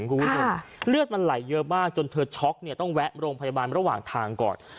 คุณผู้ชมเลือดมันไหลเยอะมากจนเธอช็อกเนี่ยต้องแวะโรงพยาบาลระหว่างทางก่อน